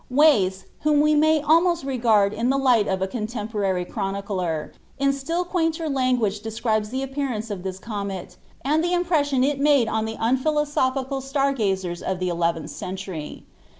A li^m we may almost regard in Ihe light of a contemporary :. in slill (juninler lansfiingc describes the appearance of this ■■■■r.m, and the impression it made on the un philosophical star gazers III Uic elifventli cr^ntury.